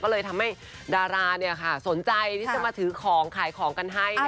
ก็เลยทำให้ดาราเนี่ยค่ะสนใจที่จะมาถือของขายของกันให้นะคะ